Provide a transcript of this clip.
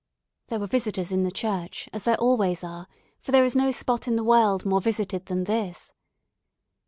There were visitors in the church, as there always are, for there is no spot in the world more visited than this.